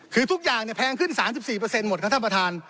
คือทุกอย่างแพงขึ้น๓๔หมดครับท่านประธาน